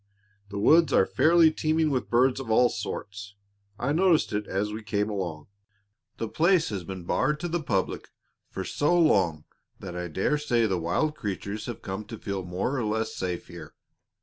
The woods are fairly teeming with birds of all sorts; I noticed it as we came along. The place has been barred to the public for so long that I dare say the wild creatures have come to feel more or less safe here.